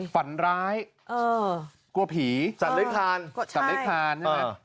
ฝันร้ายกลัวผีสั่นเล็กทาน